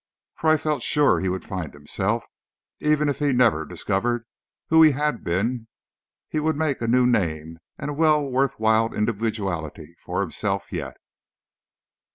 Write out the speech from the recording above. For I felt sure he would find himself, and even if he never discovered who he had been he would make a new name and a well worthwhile individuality for himself yet.